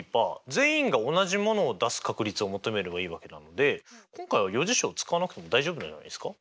全員が同じものを出す確率を求めればいいわけなので今回は余事象使わなくても大丈夫じゃないですか？